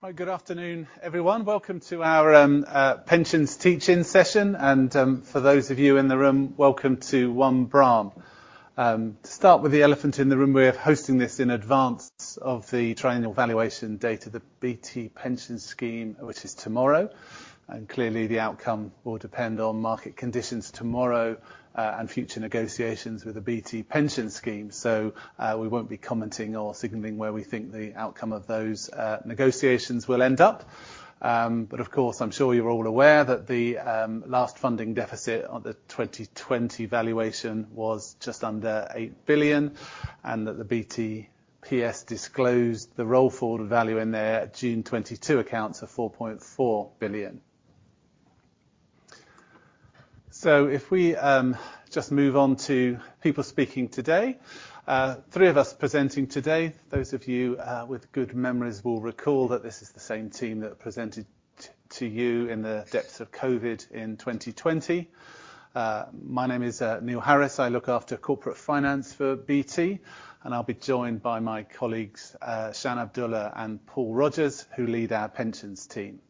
Hi, good afternoon, everyone. Welcome to our pensions teach-in session, for those of you in the room, welcome to One Braham. To start with the elephant in the room, we're hosting this in advance of the triennial valuation date of the BT Pension Scheme, which is tomorrow, and clearly the outcome will depend on market conditions tomorrow, and future negotiations with the BT Pension Scheme. We won't be commenting or signaling where we think the outcome of those negotiations will end up. Of course, I'm sure you're all aware that the last funding deficit on the 2020 valuation was just under 8 billion, and that the BTPS disclosed the roll forward value in their June 2022 accounts of 4.4 billion. If we just move on to people speaking today, three of us presenting today. Those of you with good memories will recall that this is the same team that presented to you in the depths of COVID-19 in 2020. My name is Neil Harris. I look after corporate finance for BT, and I'll be joined by my colleagues, Shan Abdullah and Paul Rogers, who lead our pensions team.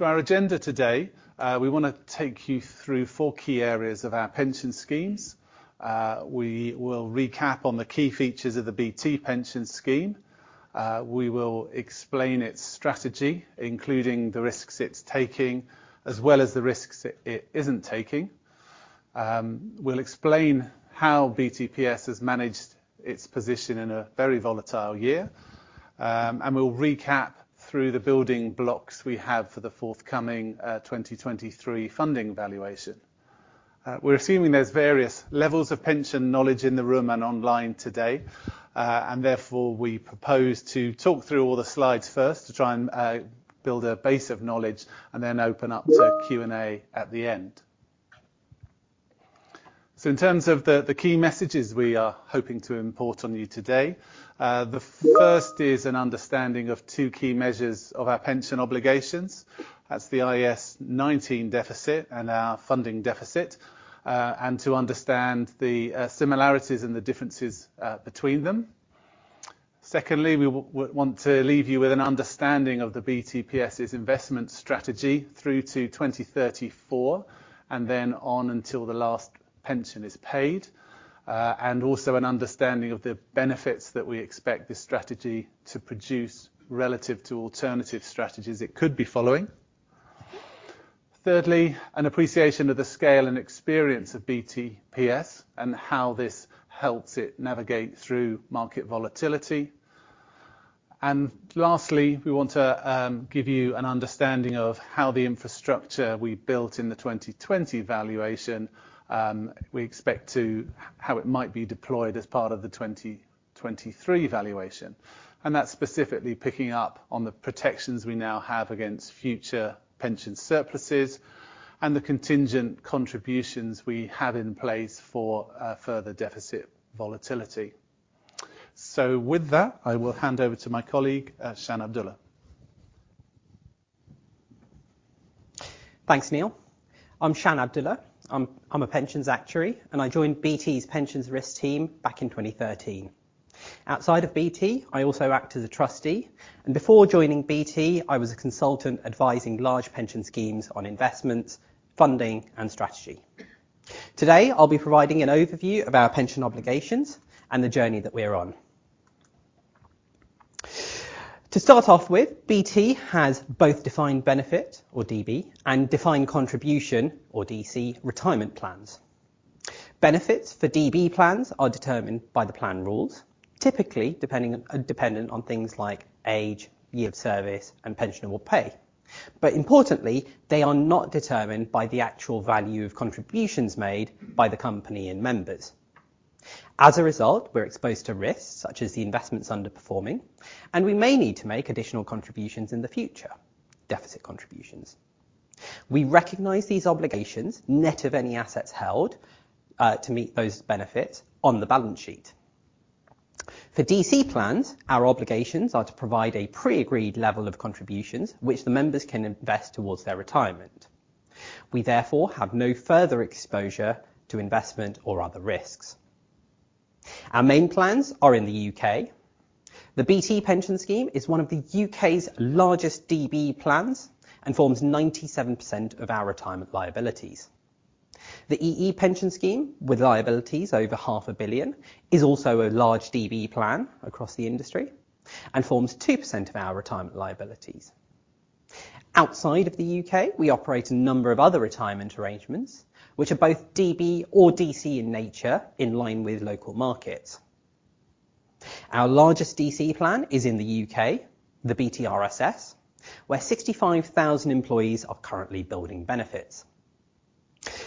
Our agenda today, we wanna take you through four key areas of our pension schemes. We will recap on the key features of the BT Pension Scheme. We will explain its strategy, including the risks it's taking, as well as the risks it isn't taking. We'll explain how BTPS has managed its position in a very volatile year. We'll recap through the building blocks we have for the forthcoming, 2023 funding valuation. We're assuming there's various levels of pension knowledge in the room and online today, and therefore, we propose to talk through all the slides first to try and build a base of knowledge and then open up to Q&A at the end. In terms of the key messages we are hoping to import on you today, the first is an understanding of two key measures of our pension obligations. That's the IAS 19 deficit and our funding deficit, and to understand the similarities and the differences between them. Secondly, we want to leave you with an understanding of the BTPS's investment strategy through to 2034, and then on until the last pension is paid. Also an understanding of the benefits that we expect this strategy to produce relative to alternative strategies it could be following. Thirdly, an appreciation of the scale and experience of BTPS and how this helps it navigate through market volatility. Lastly, we want to give you an understanding of how the infrastructure we built in the 2020 valuation, how it might be deployed as part of the 2023 valuation, and that's specifically picking up on the protections we now have against future pension surpluses and the contingent contributions we have in place for further deficit volatility. With that, I will hand over to my colleague, Shan Abdullah. Thanks, Neil. I'm Shan Abdullah. I'm a pensions actuary. I joined BT's Pensions Risk Team back in 2013. Outside of BT, I also act as a trustee. Before joining BT, I was a consultant advising large pension schemes on investments, funding, and strategy. Today, I'll be providing an overview of our pension obligations and the journey that we're on. To start off with, BT has both defined benefit, or DB, and defined contribution, or DC, retirement plans. Benefits for DB plans are determined by the plan rules, typically dependent on things like age, year of service, and pensionable pay. Importantly, they are not determined by the actual value of contributions made by the company and members. As a result, we're exposed to risks such as the investments underperforming, and we may need to make additional contributions in the future, deficit contributions. We recognize these obligations net of any assets held to meet those benefits on the balance sheet. For DC plans, our obligations are to provide a pre-agreed level of contributions, which the members can invest towards their retirement. We therefore have no further exposure to investment or other risks. Our main plans are in the U.K. The BT Pension Scheme is one of the U.K.'s largest DB plans and forms 97% of our retirement liabilities. The EE Pension Scheme, with liabilities over 0.5 billion, is also a large DB plan across the industry and forms 2% of our retirement liabilities. Outside of the U.K., we operate a number of other retirement arrangements, which are both DB or DC in nature, in line with local markets. Our largest DC plan is in the U.K., the BTRSS, where 65,000 employees are currently building benefits.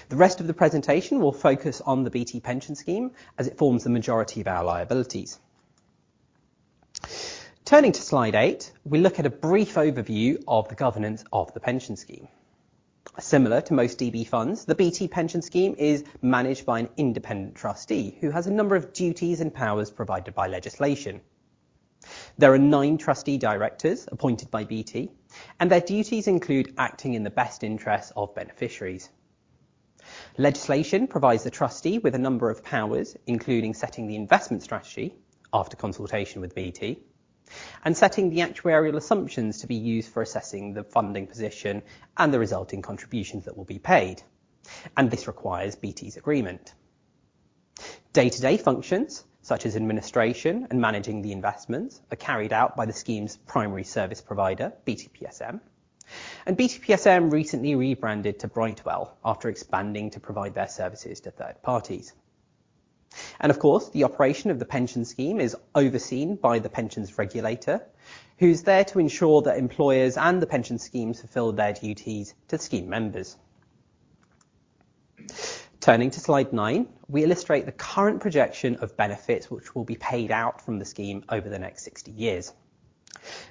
The rest of the presentation will focus on the BT Pension Scheme as it forms the majority of our liabilities. Turning to slide eight, we look at a brief overview of the governance of the pension scheme. Similar to most DB funds, the BT Pension Scheme is managed by an independent trustee, who has a number of duties and powers provided by legislation. There are nine trustee directors appointed by BT. Their duties include acting in the best interest of beneficiaries. Legislation provides the trustee with a number of powers, including setting the investment strategy after consultation with BT, and setting the actuarial assumptions to be used for assessing the funding position and the resulting contributions that will be paid, and this requires BT's agreement. Day-to-day functions, such as administration and managing the investments, are carried out by the scheme's primary service provider, BTPSM. BTPSM recently rebranded to Brightwell after expanding to provide their services to third parties. Of course, the operation of the pension scheme is overseen by the pensions regulator, who's there to ensure that employers and the pension scheme fulfill their duties to scheme members. Turning to slide 9, we illustrate the current projection of benefits which will be paid out from the scheme over the next 60 years.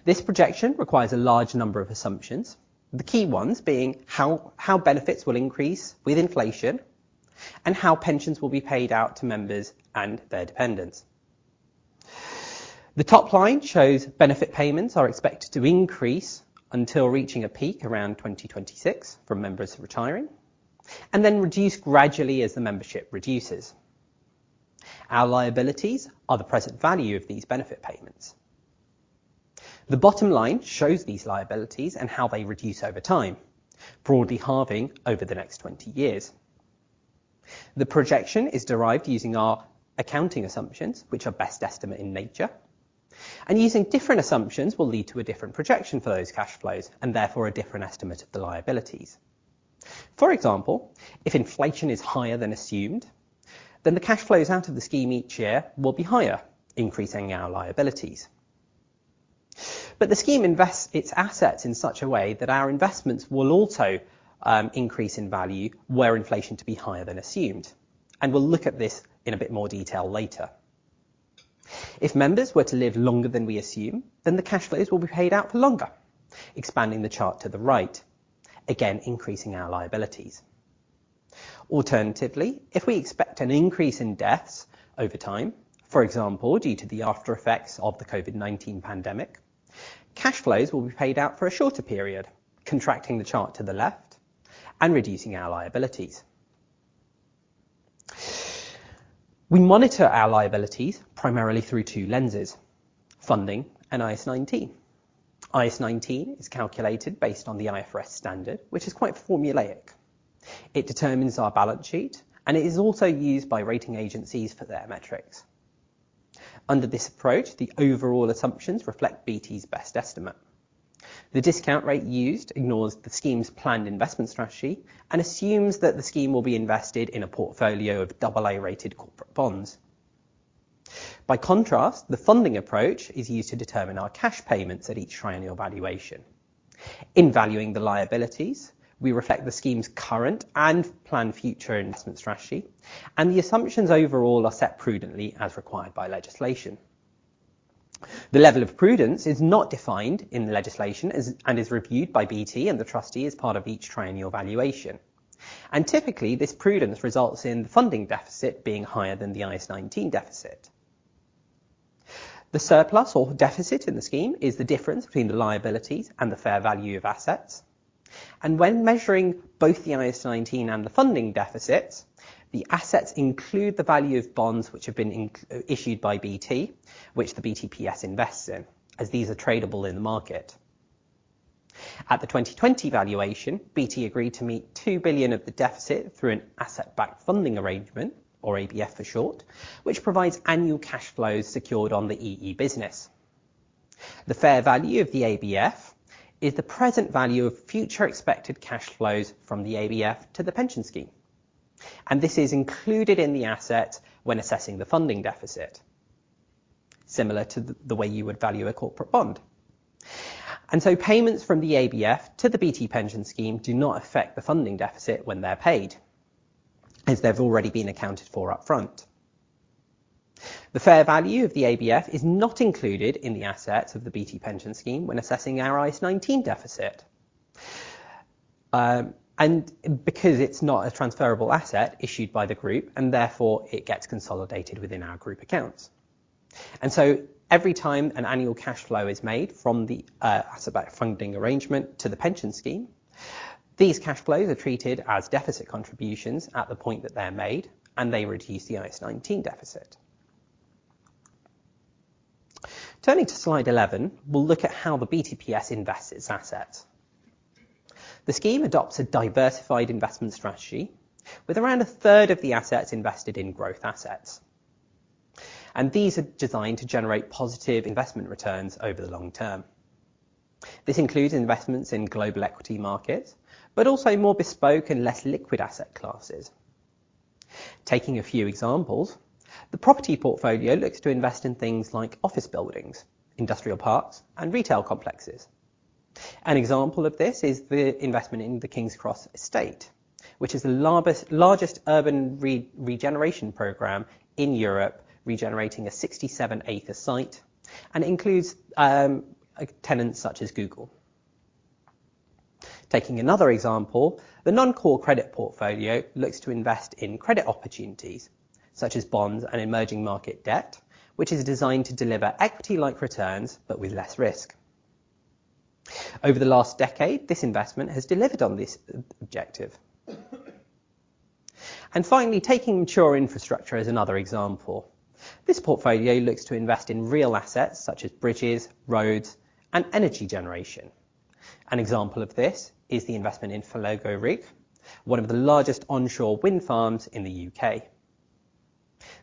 This projection requires a large number of assumptions, the key ones being how benefits will increase with inflation and how pensions will be paid out to members and their dependents. The top line shows benefit payments are expected to increase until reaching a peak around 2026 for members retiring, and then reduce gradually as the membership reduces. Our liabilities are the present value of these benefit payments. The bottom line shows these liabilities and how they reduce over time, broadly halving over the next 20 years. The projection is derived using our accounting assumptions, which are best estimate in nature, and using different assumptions will lead to a different projection for those cash flows and therefore a different estimate of the liabilities. For example, if inflation is higher than assumed, then the cash flows out of the scheme each year will be higher, increasing our liabilities. The scheme invests its assets in such a way that our investments will also increase in value where inflation to be higher than assumed, and we'll look at this in a bit more detail later. If members were to live longer than we assume, then the cash flows will be paid out for longer, expanding the chart to the right, again, increasing our liabilities. Alternatively, if we expect an increase in deaths over time, for example, due to the aftereffects of the COVID-19 pandemic, cash flows will be paid out for a shorter period, contracting the chart to the left and reducing our liabilities. We monitor our liabilities primarily through two lenses: funding and IAS 19. IAS 19 is calculated based on the IFRS standard, which is quite formulaic. It determines our balance sheet, and it is also used by rating agencies for their metrics. Under this approach, the overall assumptions reflect BT's best estimate. The discount rate used ignores the scheme's planned investment strategy and assumes that the scheme will be invested in a portfolio of double A-rated corporate bonds. By contrast, the funding approach is used to determine our cash payments at each triennial valuation. In valuing the liabilities, we reflect the scheme's current and planned future investment strategy. The assumptions overall are set prudently as required by legislation. The level of prudence is not defined in the legislation and is reviewed by BT and the trustee as part of each triennial valuation. Typically this prudence results in the funding deficit being higher than the IAS 19 deficit. The surplus or deficit in the scheme is the difference between the liabilities and the fair value of assets. When measuring both the IAS 19 and the funding deficits, the assets include the value of bonds which have been issued by BT, which the BTPS invests in, as these are tradable in the market. At the 2020 valuation, BT agreed to meet 2 billion of the deficit through an asset-backed funding arrangement, or ABF for short, which provides annual cash flows secured on the EE business. The fair value of the ABF is the present value of future expected cash flows from the ABF to the pension scheme. This is included in the asset when assessing the funding deficit, similar to the way you would value a corporate bond. Payments from the ABF to the BT Pension Scheme do not affect the funding deficit when they're paid, as they've already been accounted for up front. The fair value of the ABF is not included in the assets of the BT Pension Scheme when assessing our IAS 19 deficit, because it's not a transferable asset issued by the Group. Therefore it gets consolidated within our Group accounts. Every time an annual cash flow is made from the asset-backed funding arrangement to the pension scheme, these cash flows are treated as deficit contributions at the point that they're made, and they reduce the IAS 19 deficit. Turning to slide 11, we'll look at how the BTPS invests its assets. The scheme adopts a diversified investment strategy with around a third of the assets invested in growth assets, and these are designed to generate positive investment returns over the long term. This includes investments in global equity markets, but also more bespoke and less liquid asset classes. Taking a few examples, the property portfolio looks to invest in things like office buildings, industrial parks, and retail complexes. An example of this is the investment in the King's Cross estate, which is the largest urban regeneration program in Europe, regenerating a 67 acre site, and includes tenants such as Google. Taking another example, the non-core credit portfolio looks to invest in credit opportunities such as bonds and emerging market debt, which is designed to deliver equity-like returns but with less risk. Over the last decade, this investment has delivered on this objective. Finally, taking mature infrastructure as another example. This portfolio looks to invest in real assets such as bridges, roads, and energy generation. An example of this is the investment in Fallago Rig, one of the largest onshore wind farms in the U.K.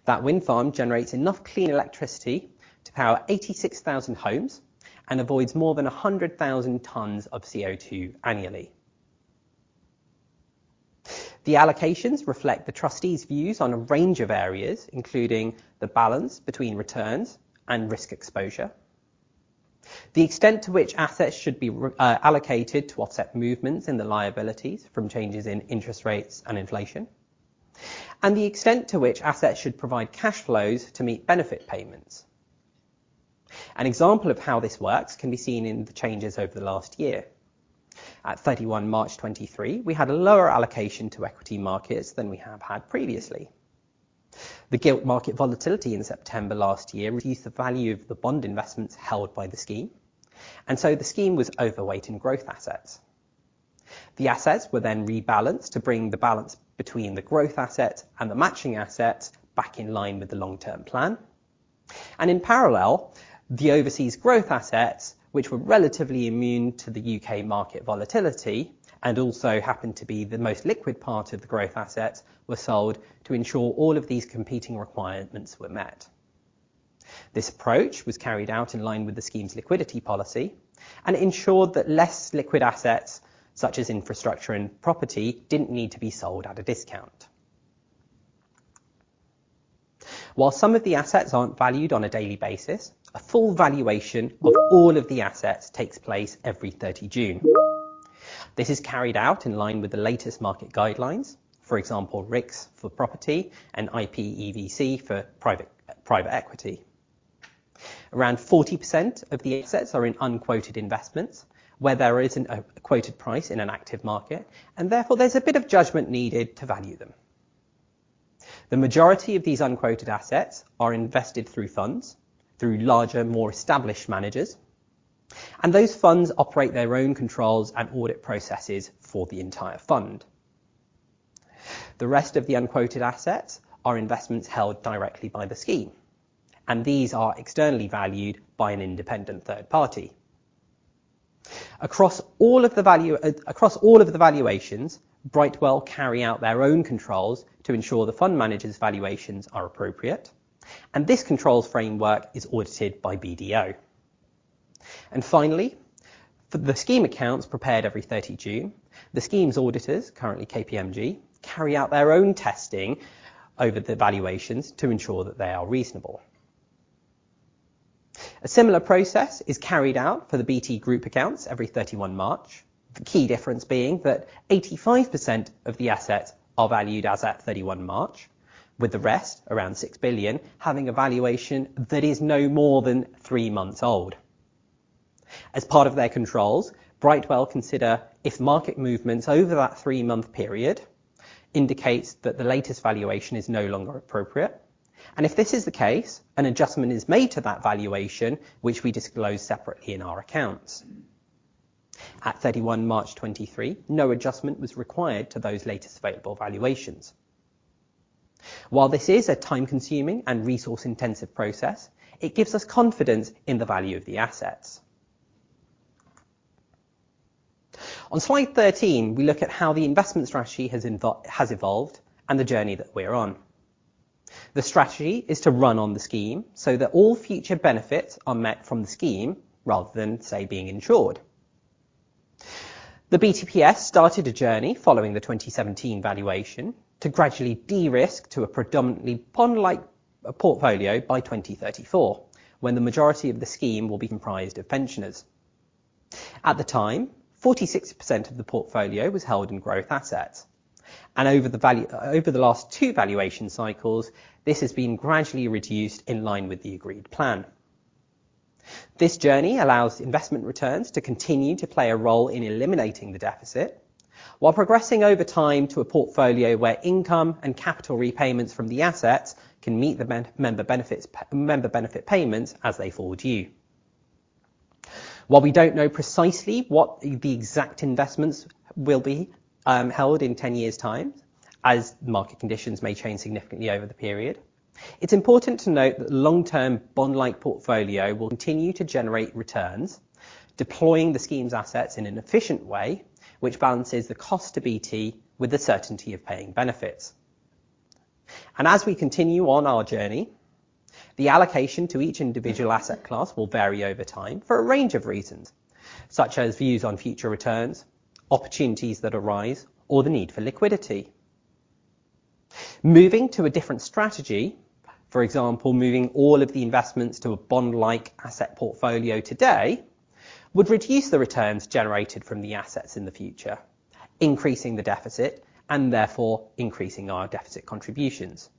That wind farm generates enough clean electricity to power 86,000 homes and avoids more than 100,000 tons of CO2 annually. The allocations reflect the trustees' views on a range of areas, including the balance between returns and risk exposure, the extent to which assets should be reallocated to offset movements in the liabilities from changes in interest rates and inflation, and the extent to which assets should provide cash flows to meet benefit payments. An example of how this works can be seen in the changes over the last year. At 31 March 2023, we had a lower allocation to equity markets than we have had previously. The gilt market volatility in September last year reduced the value of the bond investments held by the Scheme. The Scheme was overweight in growth assets. The assets were rebalanced to bring the balance between the growth asset and the matching asset back in line with the long-term plan. In parallel, the overseas growth assets, which were relatively immune to the U.K. market volatility and also happened to be the most liquid part of the growth assets, were sold to ensure all of these competing requirements were met. This approach was carried out in line with the Scheme's liquidity policy and ensured that less liquid assets, such as infrastructure and property, didn't need to be sold at a discount. While some of the assets aren't valued on a daily basis, a full valuation of all of the assets takes place every 30 June. This is carried out in line with the latest market guidelines, for example, RICS for property and IPEV for private equity. Around 40% of the assets are in unquoted investments, where there isn't a quoted price in an active market, and therefore there's a bit of judgment needed to value them. The majority of these unquoted assets are invested through funds, through larger, more established managers, those funds operate their own controls and audit processes for the entire fund. The rest of the unquoted assets are investments held directly by the Scheme, these are externally valued by an independent third party. Across all of the valuations, Brightwell carry out their own controls to ensure the fund manager's valuations are appropriate, this controls framework is audited by BDO. Finally, for the Scheme accounts prepared every 30 June, the Scheme's auditors, currently KPMG, carry out their own testing over the valuations to ensure that they are reasonable. A similar process is carried out for the BT Group accounts every 31 March. The key difference being that 85% of the assets are valued as at 31 March, with the rest, around 6 billion, having a valuation that is no more than 3 months old. As part of their controls, Brightwell consider if market movements over that 3-month period indicates that the latest valuation is no longer appropriate, and if this is the case, an adjustment is made to that valuation, which we disclose separately in our accounts. At 31 March 2023, no adjustment was required to those latest available valuations. While this is a time-consuming and resource-intensive process, it gives us confidence in the value of the assets. On slide 13, we look at how the investment strategy has evolved and the journey that we're on. The strategy is to run on the Scheme so that all future benefits are met from the Scheme rather than, say, being insured. The BTPS started a journey following the 2017 valuation to gradually de-risk to a predominantly bond-like portfolio by 2034, when the majority of the Scheme will be comprised of pensioners. At the time, 46% of the portfolio was held in growth assets, over the last two valuation cycles, this has been gradually reduced in line with the agreed plan. This journey allows investment returns to continue to play a role in eliminating the deficit, while progressing over time to a portfolio where income and capital repayments from the assets can meet the member benefits, member benefit payments as they fall due. While we don't know precisely what the exact investments will be, held in 10 years' time, as market conditions may change significantly over the period, it's important to note that the long-term bond-like portfolio will continue to generate returns, deploying the Scheme's assets in an efficient way, which balances the cost to BT with the certainty of paying benefits. As we continue on our journey, the allocation to each individual asset class will vary over time for a range of reasons, such as views on future returns, opportunities that arise, or the need for liquidity. Moving to a different strategy, for example, moving all of the investments to a bond-like asset portfolio today, would reduce the returns generated from the assets in the future, increasing the deficit and therefore increasing our deficit contributions.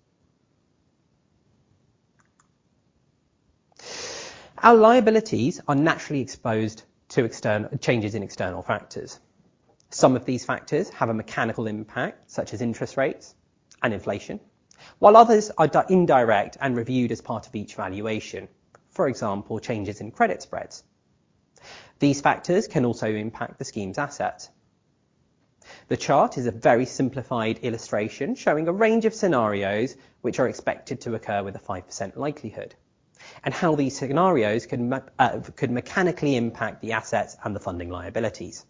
Our liabilities are naturally exposed to external changes in external factors. Some of these factors have a mechanical impact, such as interest rates and inflation, while others are indirect and reviewed as part of each valuation, for example, changes in credit spreads. These factors can also impact the scheme's assets. The chart is a very simplified illustration, showing a range of scenarios which are expected to occur with a 5% likelihood, and how these scenarios could mechanically impact the assets and the funding liabilities.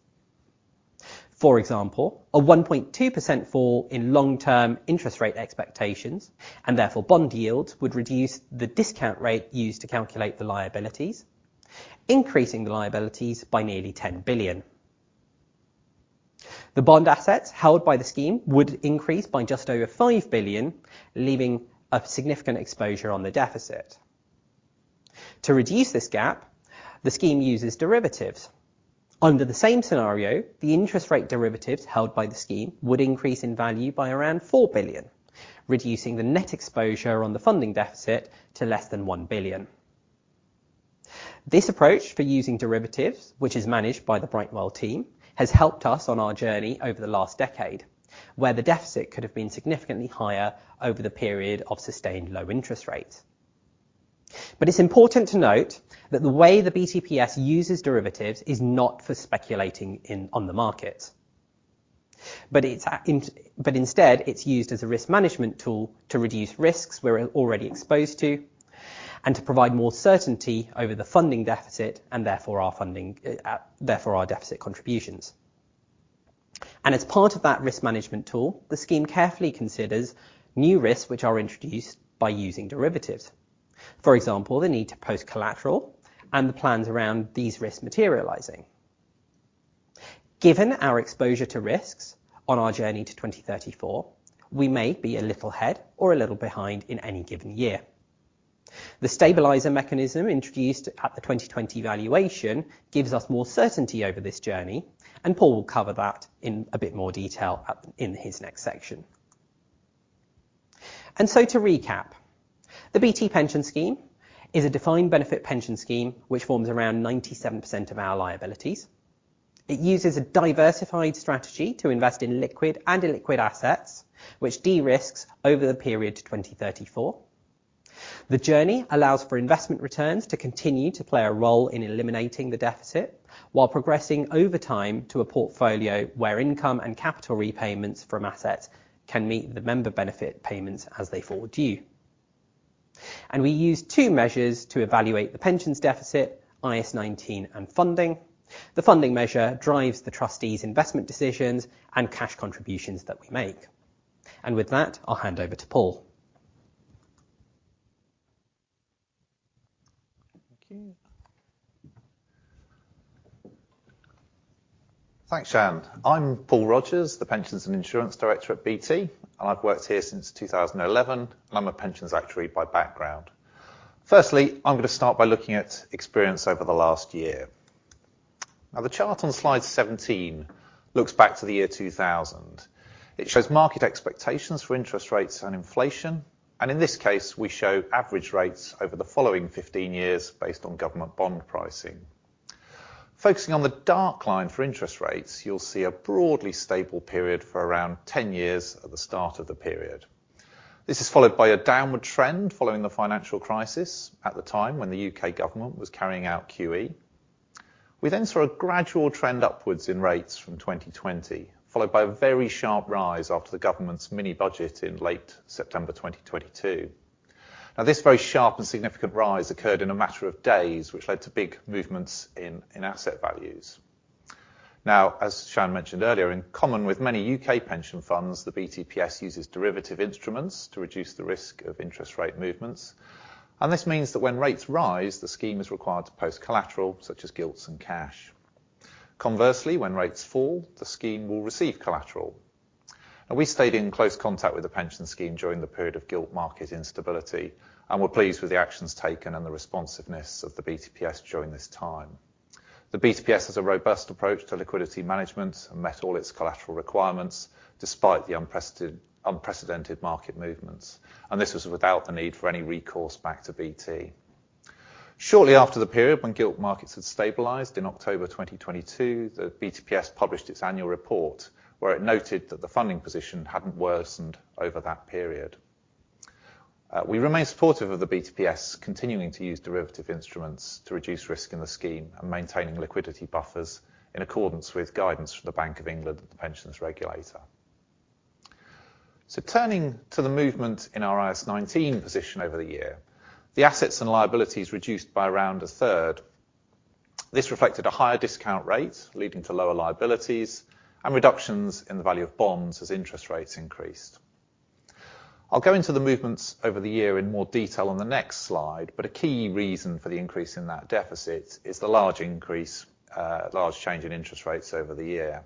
For example, a 1.2% fall in long-term interest rate expectations, and therefore bond yields, would reduce the discount rate used to calculate the liabilities, increasing the liabilities by nearly 10 billion. The bond assets held by the scheme would increase by just over 5 billion, leaving a significant exposure on the deficit. To reduce this gap, the scheme uses derivatives. Under the same scenario, the interest rate derivatives held by the scheme would increase in value by around 4 billion, reducing the net exposure on the funding deficit to less than 1 billion. This approach for using derivatives, which is managed by the Brightwell team, has helped us on our journey over the last decade, where the deficit could have been significantly higher over the period of sustained low interest rates. It's important to note that the way the BTPS uses derivatives is not for speculating on the market. Instead, it's used as a risk management tool to reduce risks we're already exposed to, and to provide more certainty over the funding deficit, and therefore our funding, therefore our deficit contributions. As part of that risk management tool, the scheme carefully considers new risks which are introduced by using derivatives. For example, the need to post collateral and the plans around these risks materializing. Given our exposure to risks on our journey to 2034, we may be a little ahead or a little behind in any given year. The stabilizer mechanism, introduced at the 2020 valuation, gives us more certainty over this journey, and Paul will cover that in a bit more detail in his next section. To recap, the BT Pension Scheme is a defined benefit pension scheme which forms around 97% of our liabilities. It uses a diversified strategy to invest in liquid and illiquid assets, which de-risks over the period to 2034. The journey allows for investment returns to continue to play a role in eliminating the deficit, while progressing over time to a portfolio where income and capital repayments from assets can meet the member benefit payments as they fall due. We use two measures to evaluate the pensions deficit, IAS 19 and funding. The funding measure drives the trustees' investment decisions and cash contributions that we make. With that, I'll hand over to Paul. Thank you. Thanks, Shan. I'm Paul Rogers, the Pensions and Insurance Director at BT, and I've worked here since 2011, and I'm a pensions actuary by background. Firstly, I'm gonna start by looking at experience over the last year. The chart on slide 17 looks back to the year 2000. It shows market expectations for interest rates and inflation, and in this case, we show average rates over the following 15 years based on government bond pricing. Focusing on the dark line for interest rates, you'll see a broadly stable period for around 10 years at the start of the period. This is followed by a downward trend following the financial crisis at the time when the U.K. government was carrying out QE. We saw a gradual trend upwards in rates from 2020, followed by a very sharp rise after the government's mini budget in late September 2022. This very sharp and significant rise occurred in a matter of days, which led to big movements in asset values. As Shan mentioned earlier, in common with many U.K. pension funds, the BTPS uses derivative instruments to reduce the risk of interest rate movements, and this means that when rates rise, the scheme is required to post collateral, such as gilts and cash. Conversely, when rates fall, the scheme will receive collateral. We stayed in close contact with the pensions scheme during the period of gilt market instability, and we're pleased with the actions taken and the responsiveness of the BTPS during this time. The BTPS has a robust approach to liquidity management and met all its collateral requirements, despite the unprecedented market movements, and this was without the need for any recourse back to BT. Shortly after the period when gilt markets had stabilized in October 2022, the BTPS published its annual report, where it noted that the funding position hadn't worsened over that period. We remain supportive of the BTPS continuing to use derivative instruments to reduce risk in the scheme and maintaining liquidity buffers in accordance with guidance from the Bank of England and the pensions regulator. Turning to the movement in our IAS 19 position over the year, the assets and liabilities reduced by around a third. This reflected a higher discount rate, leading to lower liabilities, and reductions in the value of bonds as interest rates increased. I'll go into the movements over the year in more detail on the next slide, but a key reason for the increase in that deficit is the large change in interest rates over the year.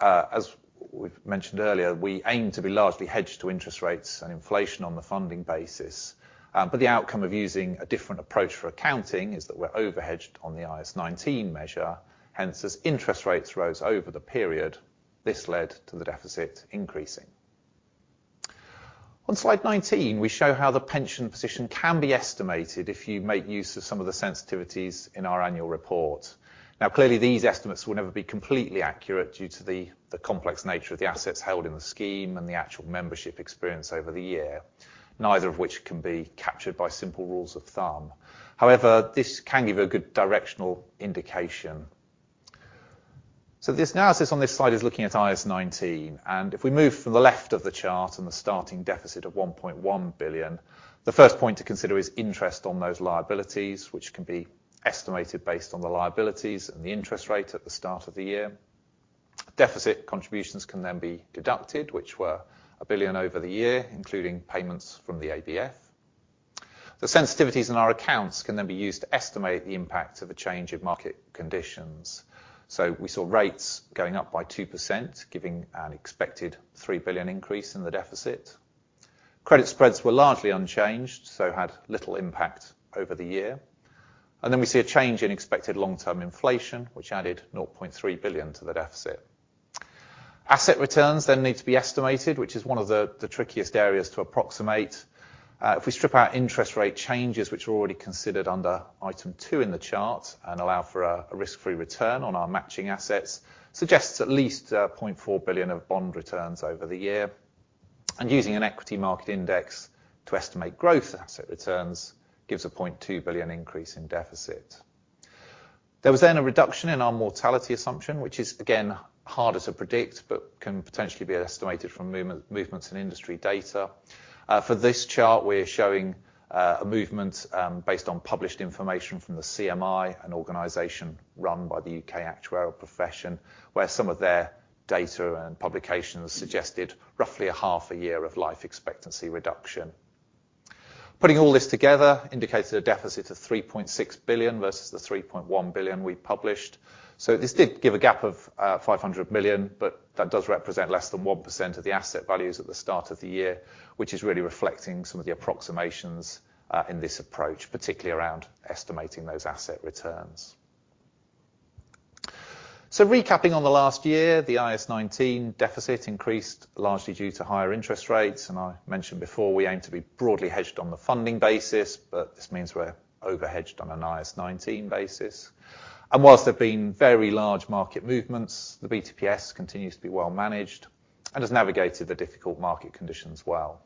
As we've mentioned earlier, we aim to be largely hedged to interest rates and inflation on the funding basis, but the outcome of using a different approach for accounting is that we're overhedged on the IAS 19 measure. As interest rates rose over the period, this led to the deficit increasing. On slide 19, we show how the pension position can be estimated if you make use of some of the sensitivities in our annual report. Clearly, these estimates will never be completely accurate due to the complex nature of the assets held in the scheme and the actual membership experience over the year, neither of which can be captured by simple rules of thumb. However, this can give a good directional indication. This analysis on this slide is looking at IAS 19, and if we move from the left of the chart and the starting deficit of 1.1 billion, the first point to consider is interest on those liabilities, which can be estimated based on the liabilities and the interest rate at the start of the year. Deficit contributions can then be deducted, which were 1 billion over the year, including payments from the ABF. The sensitivities in our accounts can then be used to estimate the impact of a change in market conditions. We saw rates going up by 2%, giving an expected 3 billion increase in the deficit. Credit spreads were largely unchanged, so had little impact over the year, and then we see a change in expected long-term inflation, which added 0.3 billion to the deficit. Asset returns need to be estimated, which is one of the trickiest areas to approximate. If we strip out interest rate changes, which are already considered under item 2 in the chart and allow for a risk-free return on our matching assets, suggests at least 0.4 billion of bond returns over the year. Using an equity market index to estimate growth, asset returns gives a 0.2 billion increase in deficit. There was then a reduction in our mortality assumption, which is, again, harder to predict, but can potentially be estimated from movements in industry data. For this chart, we're showing a movement based on published information from the CMI, an organization run by the U.K. Actuarial Profession, where some of their data and publications suggested roughly a half a year of life expectancy reduction. Putting all this together indicated a deficit of 3.6 billion versus the 3.1 billion we published. This did give a gap of 500 million, but that does represent less than 1% of the asset values at the start of the year, which is really reflecting some of the approximations in this approach, particularly around estimating those asset returns. Recapping on the last year, the IAS 19 deficit increased largely due to higher interest rates, and I mentioned before, we aim to be broadly hedged on the funding basis, but this means we're over-hedged on an IAS 19 basis. Whilst there've been very large market movements, the BTPS continues to be well managed and has navigated the difficult market conditions well.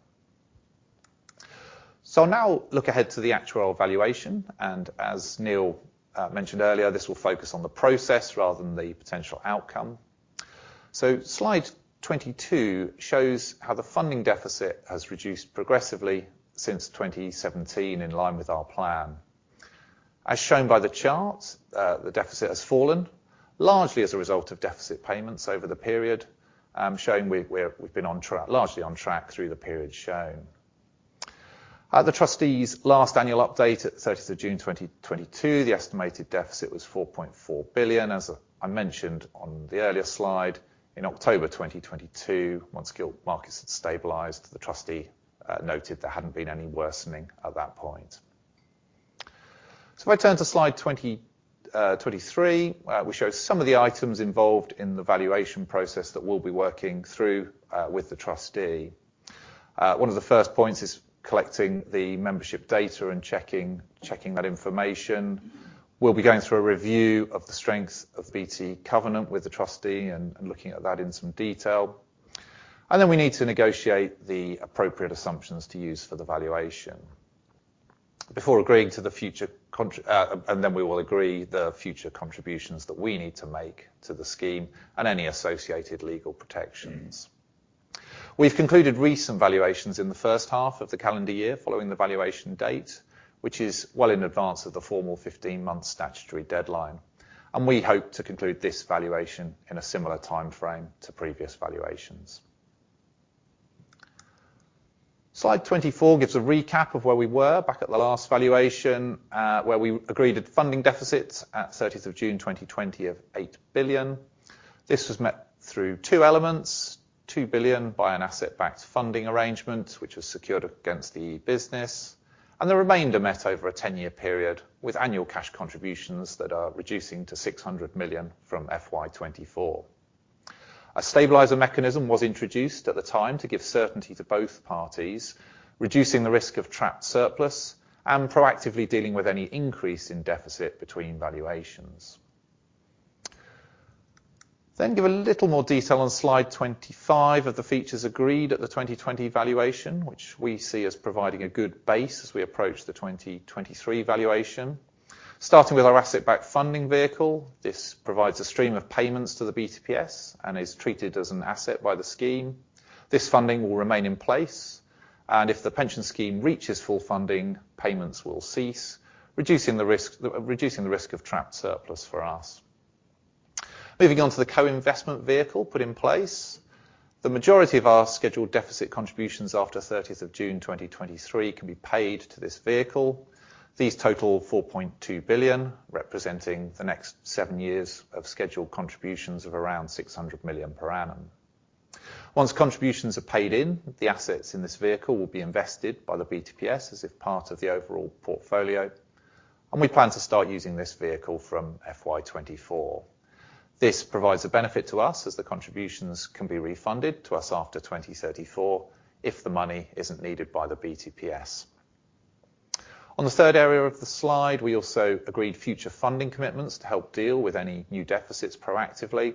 Now look ahead to the actuarial valuation, and as Neil mentioned earlier, this will focus on the process rather than the potential outcome. Slide 22 shows how the funding deficit has reduced progressively since 2017 in line with our plan. As shown by the chart, the deficit has fallen largely as a result of deficit payments over the period, showing we've been on track largely on track through the period shown. At the Trustees' last annual update at thirty of June 2022, the estimated deficit was 4.4 billion. As I mentioned on the earlier slide, in October 2022, once gilt markets had stabilized, the Trustee noted there hadn't been any worsening at that point. If I turn to slide 23, we show some of the items involved in the valuation process that we'll be working through with the Trustee. One of the first points is collecting the membership data and checking that information. We'll be going through a review of the strength of BT covenant with the Trustee and looking at that in some detail. We need to negotiate the appropriate assumptions to use for the valuation. Before agreeing to the future contri. Then we will agree the future contributions that we need to make to the scheme and any associated legal protections. We've concluded recent valuations in the first half of the calendar year, following the valuation date, which is well in advance of the formal 15-month statutory deadline. We hope to conclude this valuation in a similar timeframe to previous valuations. Slide 24 gives a recap of where we were back at the last valuation, where we agreed a funding deficit at 30th of June 2020 of 8 billion. This was met through 2 elements, 2 billion by an asset-backed funding arrangement, which was secured against the business. The remainder met over a 10-year period, with annual cash contributions that are reducing to 600 million from FY 2024. A stabiliser mechanism was introduced at the time to give certainty to both parties, reducing the risk of trapped surplus and proactively dealing with any increase in deficit between valuations. Give a little more detail on slide 25 of the features agreed at the 2020 valuation, which we see as providing a good base as we approach the 2023 valuation. Starting with our asset-backed funding vehicle, this provides a stream of payments to the BTPS and is treated as an asset by the scheme. This funding will remain in place, and if the pension scheme reaches full funding, payments will cease, reducing the risk of trapped surplus for us. Moving on to the co-investment vehicle put in place. The majority of our scheduled deficit contributions after thirties of June 2023 can be paid to this vehicle. These total 4.2 billion, representing the next 7 years of scheduled contributions of around 600 million per annum. Once contributions are paid in, the assets in this vehicle will be invested by the BTPS as if part of the overall portfolio. We plan to start using this vehicle from FY 2024. This provides a benefit to us, as the contributions can be refunded to us after 2034 if the money isn't needed by the BTPS. On the third area of the slide, we also agreed future funding commitments to help deal with any new deficits proactively.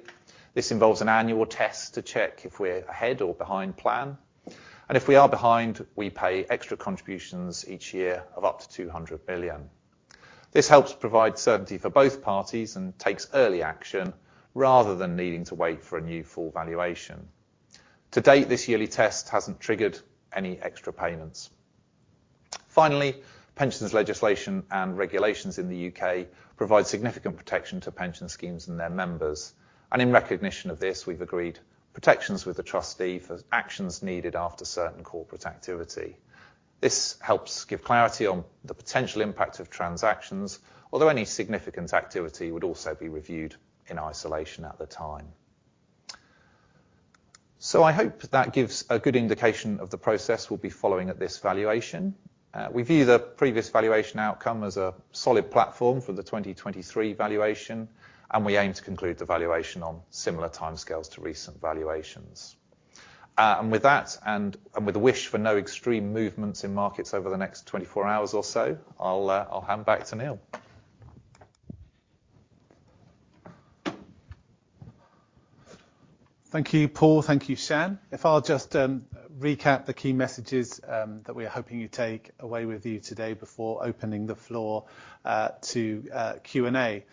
This involves an annual test to check if we're ahead or behind plan. If we are behind, we pay extra contributions each year of up to 200 billion. This helps provide certainty for both parties and takes early action rather than needing to wait for a new full valuation. To date, this yearly test hasn't triggered any extra payments. Finally, pension legislation and regulations in the U.K. provide significant protection to pension schemes and their members, and in recognition of this, we've agreed protections with the Trustee for actions needed after certain corporate activity. This helps give clarity on the potential impact of transactions, although any significant activity would also be reviewed in isolation at the time. I hope that gives a good indication of the process we'll be following at this valuation. We view the previous valuation outcome as a solid platform for the 2023 valuation, and we aim to conclude the valuation on similar timescales to recent valuations. With that, and with a wish for no extreme movements in markets over the next 24 hours or so, I'll hand back to Neil. Thank you, Paul. Thank you, Shan. If I'll just recap the key messages that we are hoping you take away with you today before opening the floor to Q&A.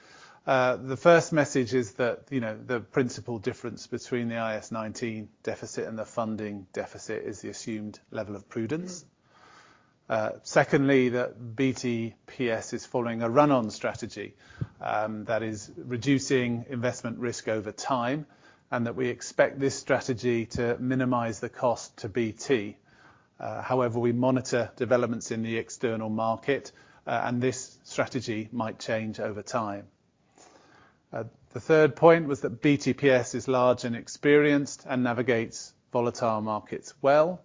The first message is that, you know, the principal difference between the IAS 19 deficit and the funding deficit is the assumed level of prudence. Secondly, that BTPS is following a run-on strategy that is reducing investment risk over time, and that we expect this strategy to minimize the cost to BT. However, we monitor developments in the external market, and this strategy might change over time. The third point was that BTPS is large and experienced and navigates volatile markets well.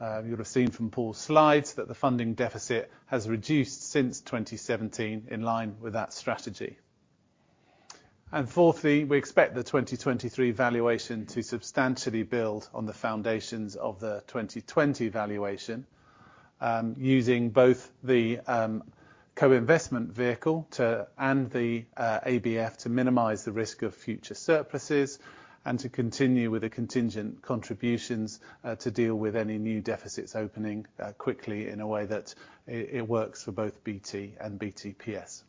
You'll have seen from Paul's slides that the funding deficit has reduced since 2017 in line with that strategy. Fourthly, we expect the 2023 valuation to substantially build on the foundations of the 2020 valuation, using both the co-investment vehicle to and the ABF to minimize the risk of future surpluses and to continue with the contingent contributions to deal with any new deficits opening quickly in a way that it works for both BT and BTPS.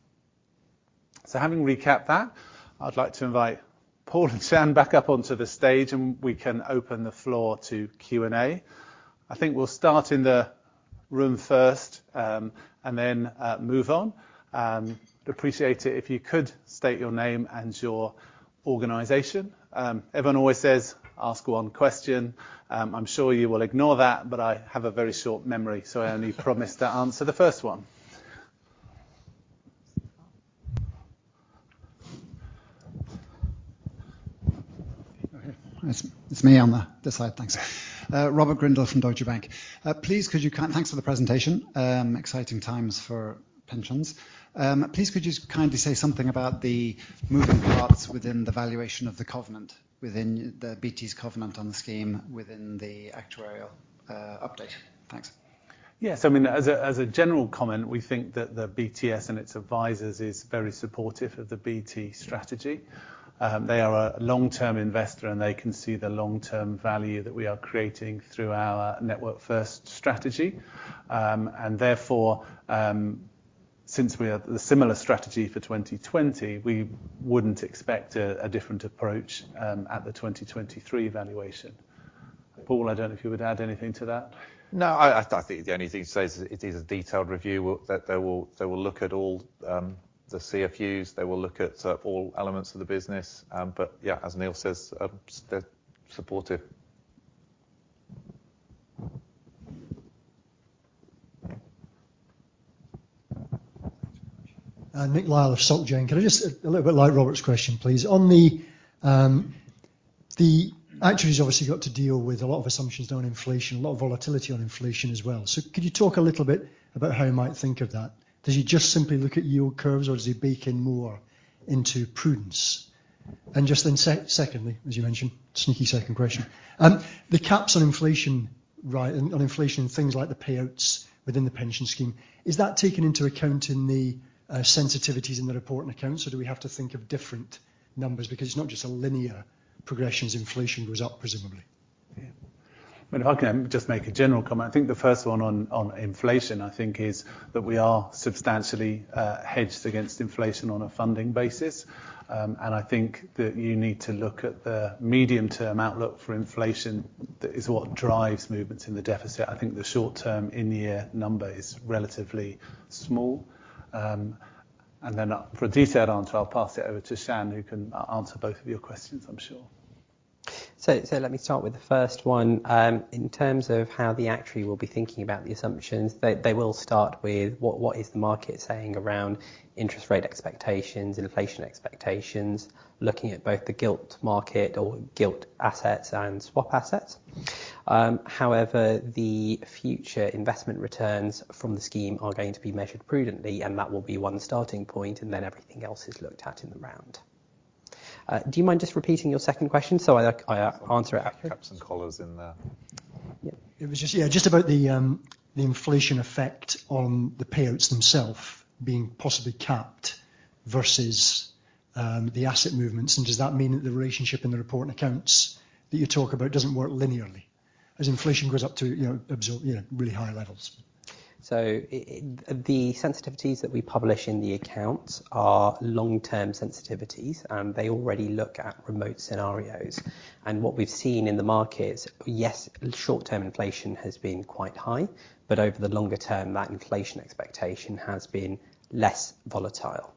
Having recapped that, I'd like to invite Paul and Shan back up onto the stage, and we can open the floor to Q&A. I think we'll start in the room first, and then move on. Appreciate it if you could state your name and your organization. Everyone always says, "Ask one question." I'm sure you will ignore that, but I have a very short memory, so I only promise to answer the first one. Okay. It's me on this side. Thanks. Robert Grindle from Deutsche Bank. Please, thanks for the presentation. Exciting times for pensions. Please, could you kindly say something about the moving parts within the valuation of the covenant, within the BT's covenant on the scheme, within the actuarial update? Thanks. Yes. I mean, as a general comment, we think that the BTPS and its advisors is very supportive of the BT strategy. They are a long-term investor, and they can see the long-term value that we are creating through our network-first strategy. Therefore, since we had a similar strategy for 2020, we wouldn't expect a different approach at the 2023 valuation. Paul, I don't know if you would add anything to that? No, I think the only thing to say is it is a detailed review, that they will look at all the CFUs, they will look at all elements of the business. Yeah, as Neil says, they're supportive. Nick Lyall of SocGen. Can I just a little bit like Robert's question, please? On the actuary's obviously got to deal with a lot of assumptions on inflation, a lot of volatility on inflation as well. Could you talk a little bit about how you might think of that? Does he just simply look at yield curves, or does he bake in more into prudence? Just then, secondly, as you mentioned, sneaky second question, the caps on inflation, right, on inflation, things like the payouts within the pension scheme, is that taken into account in the sensitivities in the report and accounts, or do we have to think of different numbers? It's not just a linear progression as inflation goes up, presumably. If I can just make a general comment. I think the first one on inflation, I think, is that we are substantially hedged against inflation on a funding basis. I think that you need to look at the medium-term outlook for inflation. That is what drives movements in the deficit. I think the short-term, in-year number is relatively small. Then, for a detailed answer, I'll pass it over to Shan, who can answer both of your questions, I'm sure. Let me start with the first one. In terms of how the actuary will be thinking about the assumptions, they will start with what is the market saying around interest rate expectations, inflation expectations, looking at both the gilt market or gilt assets and swap assets. However, the future investment returns from the scheme are going to be measured prudently, and that will be one starting point, and then everything else is looked at in the round. Do you mind just repeating your second question, so I answer it afterwards? Caps and collars in there. Yeah. It was just, yeah, just about the inflation effect on the payouts themselves being possibly capped versus, the asset movements. Does that mean that the relationship in the report and accounts that you talk about doesn't work linearly? As inflation goes up to, you know, absorb, you know, really high levels. The sensitivities that we publish in the accounts are long-term sensitivities, and they already look at remote scenarios. What we've seen in the markets, yes, short-term inflation has been quite high, but over the longer term, that inflation expectation has been less volatile.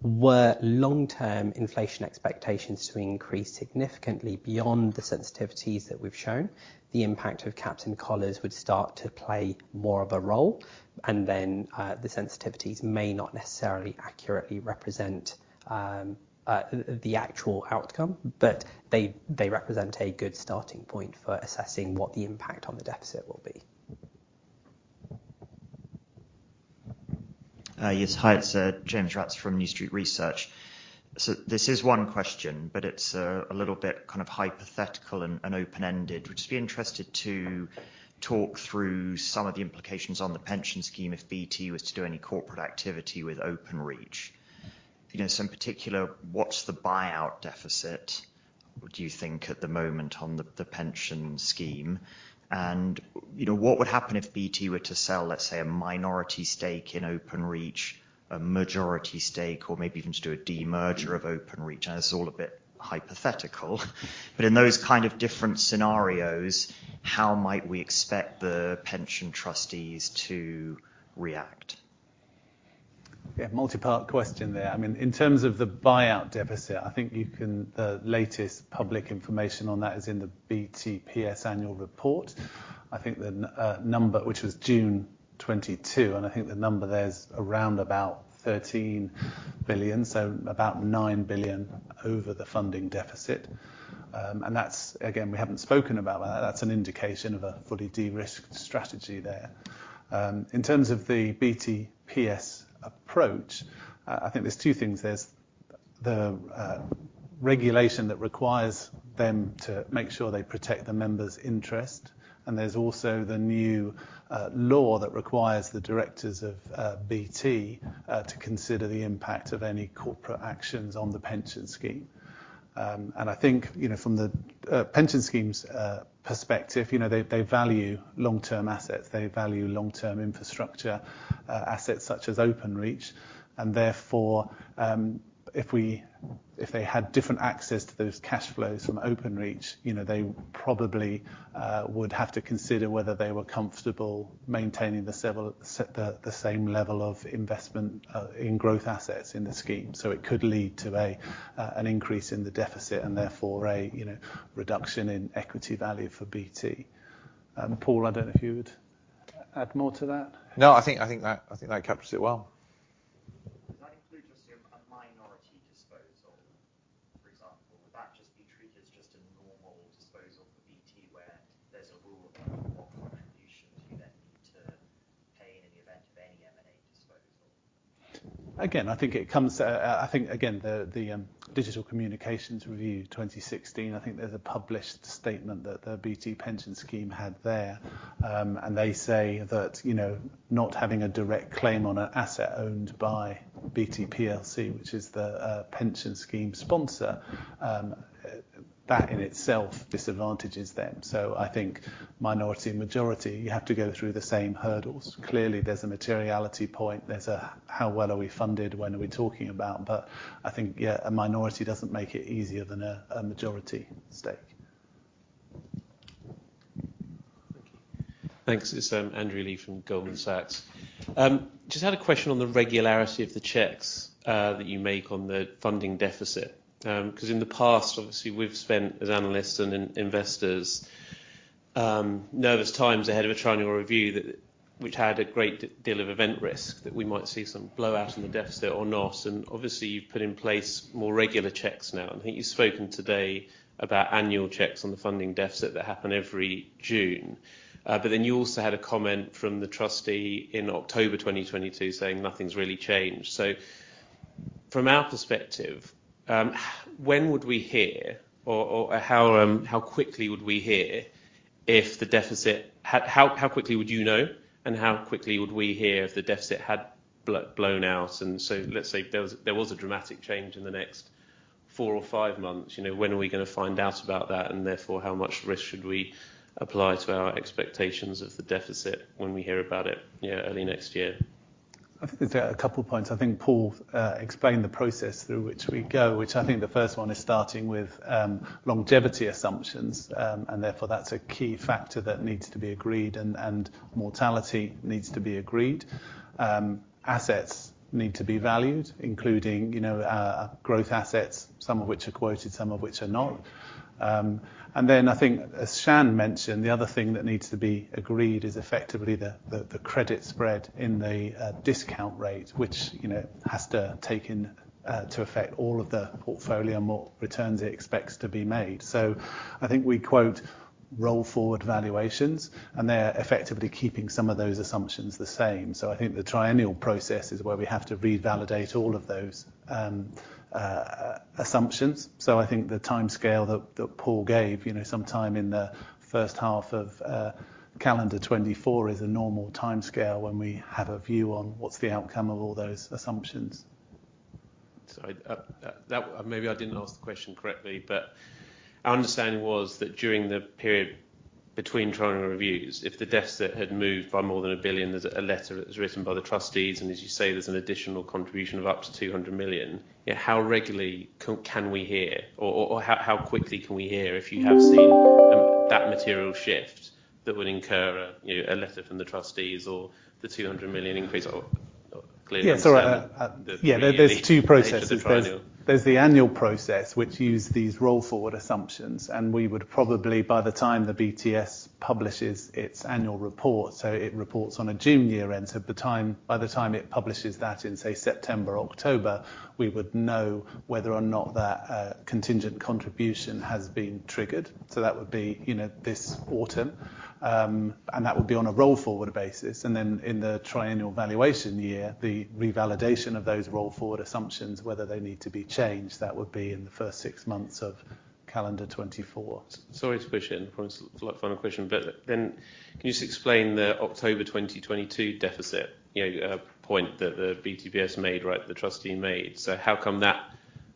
Were long-term inflation expectations to increase significantly beyond the sensitivities that we've shown, the impact of caps and collars would start to play more of a role, and then the sensitivities may not necessarily accurately represent the actual outcome. They represent a good starting point for assessing what the impact on the deficit will be. Yes. Hi, it's James Ratzer from New Street Research. This is one question, but it's a little bit kind of hypothetical and open-ended. Would you be interested to talk through some of the implications on the pension scheme if BT was to do any corporate activity with Openreach? You know, in particular, what's the buyout deficit, would you think, at the moment on the pension scheme? You know, what would happen if BT were to sell, let's say, a minority stake in Openreach, a majority stake, or maybe even just do a demerger of Openreach? I know this is all a bit hypothetical, but in those kind of different scenarios, how might we expect the pension trustees to react? Yeah, multipart question there. I mean, in terms of the buyout deficit, I think you can. The latest public information on that is in the BTPS annual report. I think the number, which was June 2022, and I think the number there is around about 13 billion, so about 9 billion over the funding deficit. That's, again, we haven't spoken about that. That's an indication of a fully de-risked strategy there. In terms of the BTPS approach, I think there's two things. There's the regulation that requires them to make sure they protect the members' interest, and there's also the new law that requires the directors of BT to consider the impact of any corporate actions on the pension scheme. I think, you know, from the pension scheme's perspective, you know, they value long-term assets. They value long-term infrastructure, assets such as Openreach, and therefore, if they had different access to those cash flows from Openreach, you know, they probably would have to consider whether they were comfortable maintaining the same level of investment in growth assets in the scheme. It could lead to an increase in the deficit, and therefore a, you know, reduction in equity value for BT. Paul, I don't know if you would add more to that? No, I think that captures it well. Does that include, assume, a minority disposal, for example? Would that just be treated as just a normal disposal for BT, where there's a rule about what contributions you then need to pay in the event of any M&A disposal? Again, I think it comes, Digital Communications Review 2016, I think there's a published statement that the BT Pension Scheme had there. And they say that, you know, not having a direct claim on an asset owned by BT plc, which is the pension scheme sponsor, that in itself disadvantages them. I think minority and majority, you have to go through the same hurdles. Clearly, there's a materiality point, there's a how well are we funded, when are we talking about, but I think, yeah, a minority doesn't make it easier than a majority stake. Thank you. Thanks. It's Andrew Lee from Goldman Sachs. Just had a question on the regularity of the checks that you make on the funding deficit. 'Cause in the past, obviously, we've spent, as analysts and investors, nervous times ahead of a triennial review that, which had a great deal of event risk, that we might see some blowout in the deficit or not. Obviously, you've put in place more regular checks now. I think you've spoken today about annual checks on the funding deficit that happen every June. You also had a comment from the trustee in October 2022, saying nothing's really changed. From our perspective, when would we hear, or, how quickly would we hear if the deficit... How quickly would you know, and how quickly would we hear if the deficit had blown out? Let's say there was a dramatic change in the next 4 or 5 months, you know, when are we gonna find out about that? Therefore, how much risk should we apply to our expectations of the deficit when we hear about it, you know, early next year? I think there are a couple points. I think Paul explained the process through which we go, which I think the first one is starting with longevity assumptions, and therefore, that's a key factor that needs to be agreed, and mortality needs to be agreed. Assets need to be valued, including, you know, growth assets, some of which are quoted, some of which are not. I think, as Shan mentioned, the other thing that needs to be agreed is effectively the credit spread in the discount rate, which, you know, has to take in to affect all of the portfolio and what returns it expects to be made. I think we roll forward valuations, and they're effectively keeping some of those assumptions the same. I think the triennial process is where we have to revalidate all of those assumptions. I think the timescale that Paul gave, you know, sometime in the first half of calendar 2024 is a normal timescale when we have a view on what's the outcome of all those assumptions. Sorry, maybe I didn't ask the question correctly, our understanding was that during the period between triennial reviews, if the deficit had moved by more than 1 billion, there's a letter that was written by the trustees, and as you say, there's an additional contribution of up to 200 million. Yeah, how regularly can we hear, or how quickly can we hear if you have seen that material shift that would incur a, you know, a letter from the trustees or the 200 million increase? Yes, all right. The- Yeah, there's two processes. The triennial. There's the annual process, which use these roll forward assumptions, and we would probably, by the time the BTPS publishes its annual report, so it reports on a June year end. By the time it publishes that in, say, September or October, we would know whether or not that contingent contribution has been triggered. That would be, you know, this autumn. That would be on a roll forward basis. In the triennial valuation year, the revalidation of those roll forward assumptions, whether they need to be changed, that would be in the first 6 months of calendar 2024. Sorry to push in, for a final question, can you just explain the October 2022 deficit, you know, point that the BTPS made, right, the trustee made. How come that,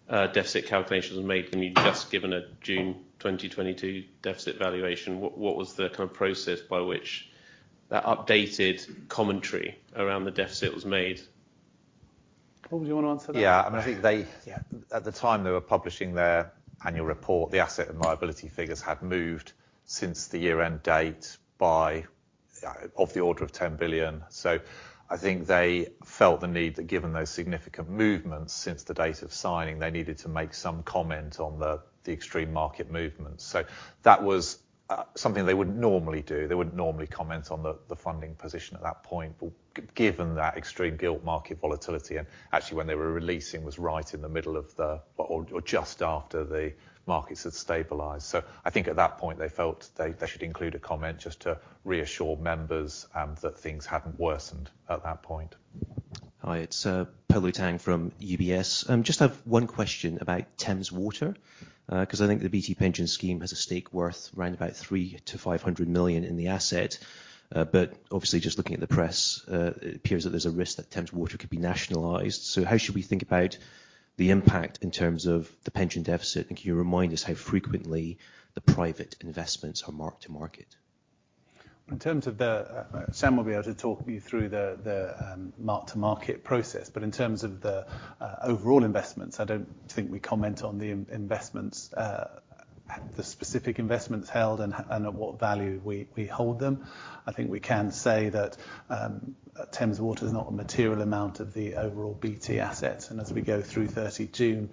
deficit calculation was made when you'd just given a June 2022 deficit valuation? What was the kind of process by which that updated commentary around the deficit was made? Paul, do you want to answer that? Yeah, I mean, I think. Yeah. At the time they were publishing their annual report, the asset and liability figures had moved since the year-end date by of the order of 10 billion. I think they felt the need that given those significant movements since the date of signing, they needed to make some comment on the extreme market movements. That was something they wouldn't normally do. They wouldn't normally comment on the funding position at that point. Given that extreme gilt market volatility, and actually when they were releasing, was right in the middle of or just after the markets had stabilized. I think at that point, they felt they should include a comment just to reassure members that things hadn't worsened at that point. Hi, it's Polo Tang from UBS. Just have one question about Thames Water because I think the BT Pension Scheme has a stake worth around about 300 million-500 million in the asset. Obviously, just looking at the press, it appears that there's a risk that Thames Water could be nationalized. How should we think about the impact in terms of the pension deficit? Can you remind us how frequently the private investments are marked to market? In terms of the Sam will be able to talk you through the mark-to-market process. In terms of the overall investments, I don't think we comment on the investments, the specific investments held and at what value we hold them. I think we can say that Thames Water is not a material amount of the overall BT assets, and as we go through 30 June,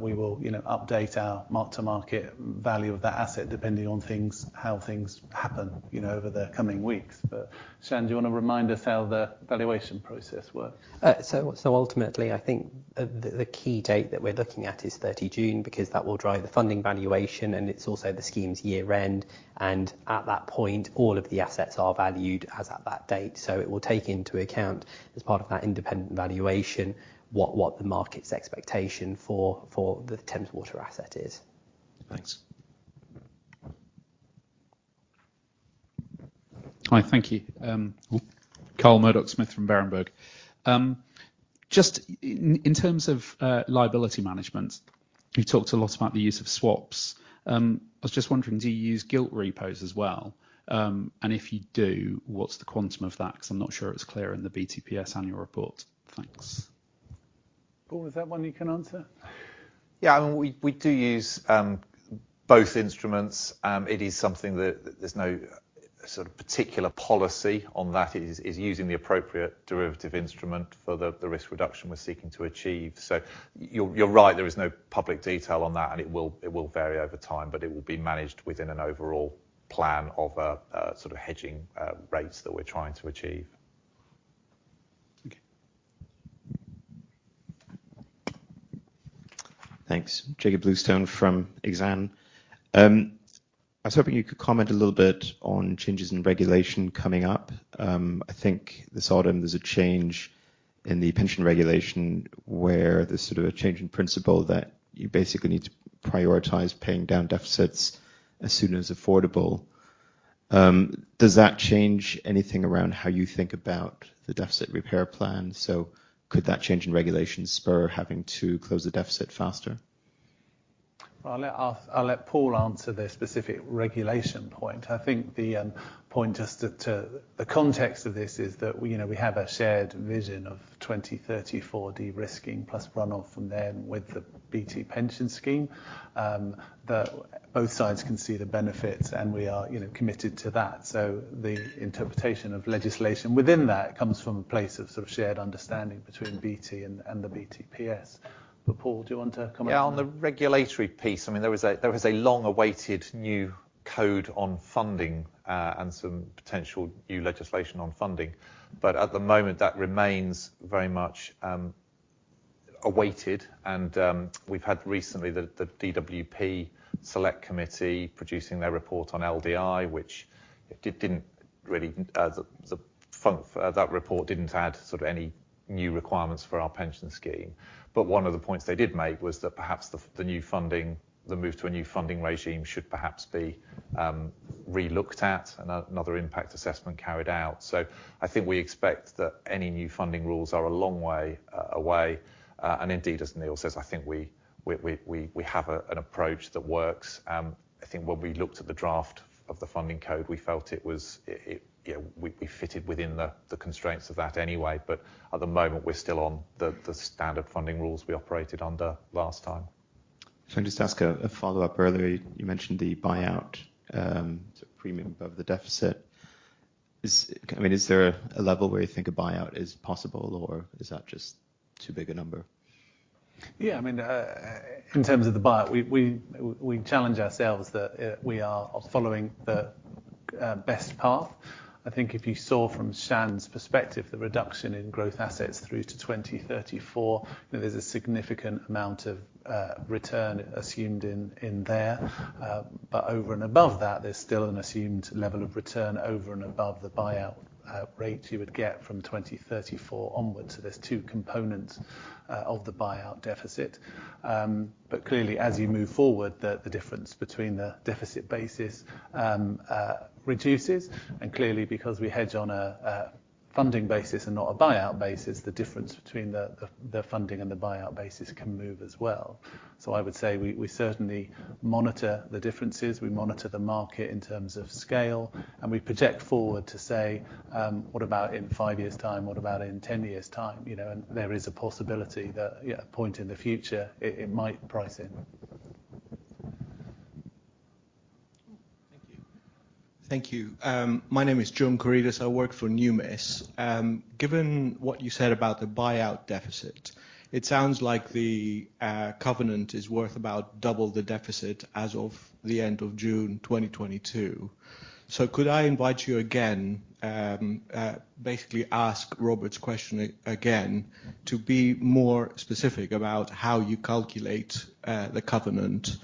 we will, you know, update our mark-to-market value of that asset, depending on things, how things happen, you know, over the coming weeks. Sam, do you want to remind us how the valuation process works? Ultimately, I think the key date that we're looking at is 30 June, because that will drive the funding valuation, and it's also the scheme's year end. At that point, all of the assets are valued as at that date. It will take into account, as part of that independent valuation, what the market's expectation for the Thames Water asset is. Thanks. Hi, thank you. Carl Murdock-Smith from Berenberg. Just in terms of liability management, you talked a lot about the use of swaps. I was just wondering, do you use gilt repos as well? If you do, what's the quantum of that? Because I'm not sure it's clear in the BTPS annual report. Thanks. Paul, is that one you can answer? I mean, we do use both instruments. It is something that there's no sort of particular policy on that. It is using the appropriate derivative instrument for the risk reduction we're seeking to achieve. You're right, there is no public detail on that, and it will vary over time, but it will be managed within an overall plan of sort of hedging rates that we're trying to achieve. Okay. Thanks. Jakob Bluestone from Exane. I was hoping you could comment a little bit on changes in regulation coming up. I think this autumn, there's a change in the pension regulation, where there's sort of a change in principle that you basically need to prioritize paying down deficits as soon as affordable. Does that change anything around how you think about the deficit repair plan? Could that change in regulation spur having to close the deficit faster? I'll let Paul answer the specific regulation point. I think the point as to the context of this is that, you know, we have a shared vision of 2034 de-risking plus run off from then with the BT Pension Scheme. That both sides can see the benefits, and we are, you know, committed to that. The interpretation of legislation within that comes from a place of sort of shared understanding between BT and the BTPS. Paul, do you want to comment? On the regulatory piece, I mean, there was a long-awaited new code on funding and some potential new legislation on funding. At the moment, that remains very much awaited, and we've had recently the DWP Select Committee producing their report on LDI, which it did, didn't really, that report didn't add sort of any new requirements for our pension scheme. One of the points they did make was that perhaps the new funding, the move to a new funding regime, should perhaps be relooked at, and another impact assessment carried out. I think we expect that any new funding rules are a long way away. Indeed, as Neil says, I think we have an approach that works. I think when we looked at the draft of the funding code, we felt it was it. We fitted within the constraints of that anyway. At the moment, we're still on the standard funding rules we operated under last time. Can I just ask a follow-up? Earlier, you mentioned the buyout premium above the deficit. I mean, is there a level where you think a buyout is possible, or is that just too big a number? Yeah. I mean, in terms of the buyout, we challenge ourselves that we are following the best path. I think if you saw from Shan's perspective, the reduction in growth assets through to 2034, there's a significant amount of return assumed in there. Over and above that, there's still an assumed level of return over and above the buyout rate you would get from 2034 onwards. There's two components of the buyout deficit. Clearly, as you move forward, the difference between the deficit basis reduces, and clearly because we hedge on a funding basis and not a buyout basis, the difference between the funding and the buyout basis can move as well. I would say we certainly monitor the differences, we monitor the market in terms of scale, and we project forward to say, "What about in 5 years' time? What about in 10 years' time?" You know, and there is a possibility that, yeah, a point in the future, it might price in. Thank you. Thank you. My name is John Karidis. I work for Numis. Given what you said about the buyout deficit, it sounds like the covenant is worth about double the deficit as of the end of June 2022. Could I invite you again, basically ask Robert's question again, to be more specific about how you calculate the covenant?